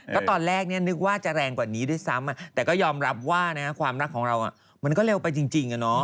ก็ตอนแรกนึกว่าจะแรงกว่านี้ด้วยซ้ำแต่ก็ยอมรับว่าความรักของเรามันก็เร็วไปจริง